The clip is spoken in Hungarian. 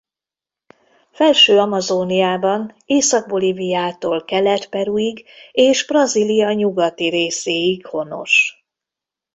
Felső-Amazóniában Észak-Bolíviától Kelet-Peruig és Brazília nyugati részéig honos.